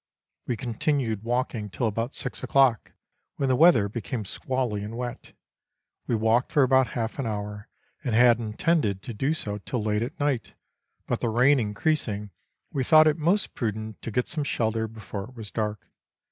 We continued walking till about six o'clock, when the weather became squally and wet. We walked for about half an hour, and had intended to do so till late at night, but the rain increasing, we thought it most prudent to get some shelter before it was dark.